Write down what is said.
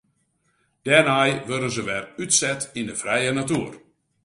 Dêrnei wurde se wer útset yn de frije natoer.